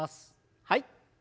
はい。